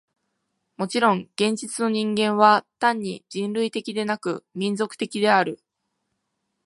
もちろん現実の人間は単に人類的でなく、民族的である。